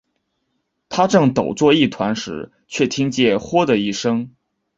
他正抖作一团时，却听得豁的一声